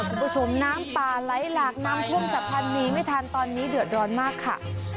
คุณผู้ชมน้ำปลาไล่หลากน้ำพ่วงจับพันธุ์นี้ไม่ทันตอนนี้เดือดร้อนมากค่ะ